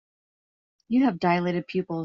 You have dilated pupils.